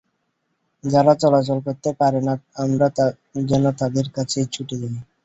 যাঁরা চলাচল করতে পারেন না, আমরা যেন তাঁদের কাছেই ছুটে যাই।